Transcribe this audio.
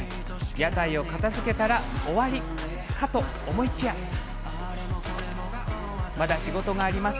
屋台を片づけたら終わりかと思いきやまだ仕事があります。